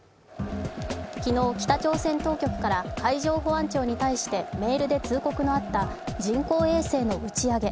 昨日北朝鮮当局から海上保安庁に対してメールで通告のあった人工衛星の打ち上げ。